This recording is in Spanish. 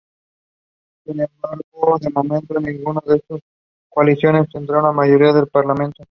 Sin embargo, de momento, ninguna de estas coaliciones tendría una mayoría en el Parlamento.